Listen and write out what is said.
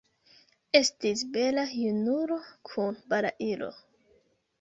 Estis bela junulo kun balailo.